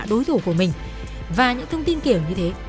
đối thủ của mình và những thông tin kiểu như thế